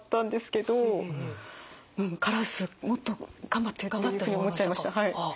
カラスもっと頑張ってっていうふうに思っちゃいました。